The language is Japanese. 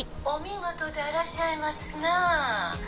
「お見事でいらっしゃいますな」